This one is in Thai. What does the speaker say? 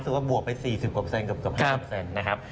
ร้อน้ำถือว่าบวกไป๔๐กับ๒๐นะครับ